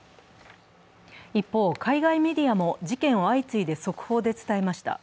一方、海外メディアも事件を相次いで速報で伝えました。